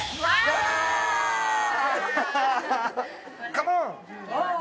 カモン！